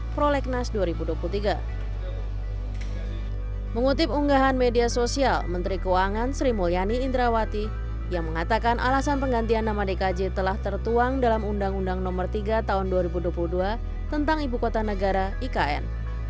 pemegahan media sosial menteri keuangan sri mulyani indrawati yang mengatakan alasan penggantian nama dkj telah tertuang dalam undang undang nomor tiga tahun dua ribu dua puluh dua tentang ibu kota negara ikn